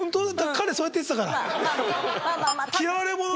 彼そうやって言ってたから。